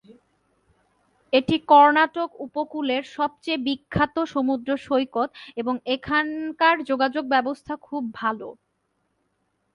এটি কর্ণাটক উপকূলের সবচেয়ে বিখ্যাত সমুদ্র সৈকত এবং এখান কার যোগাযোগ ব্যবস্থা খুব ভালো।